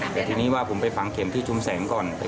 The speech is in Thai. แต่ทีนี้ว่าผมไปฝังเข็มที่ชุมแสงก่อน